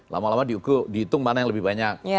lama lama dihitung mana yang lebih banyak